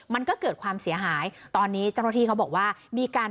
มันก็เกิดความเสียหายตอนนี้เจ้าหน้าที่เขาบอกว่ามีการ